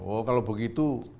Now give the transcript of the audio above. oh kalau begitu